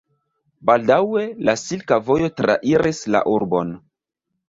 Baldaŭe la silka vojo trairis la urbon.